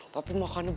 tapi makan banyak